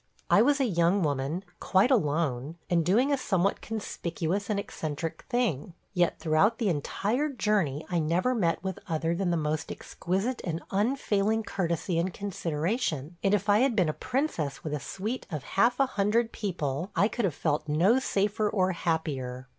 I was a young woman, quite alone, and doing a somewhat conspicuous and eccentric thing, yet throughout the entire journey I never met with other than the most exquisite and unfailing courtesy and consideration; and if I had been a princess with a suite of half a hundred people I could have felt no safer or happier.